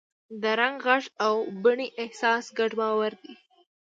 د رنګ، غږ او بڼې احساس ګډ باور دی.